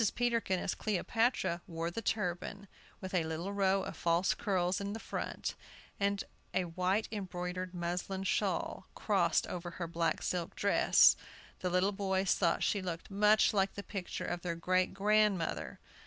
Peterkin, as Cleopatra, wore the turban, with a little row of false curls in front, and a white embroidered muslin shawl crossed over her black silk dress. The little boys thought she looked much like the picture of their great grandmother.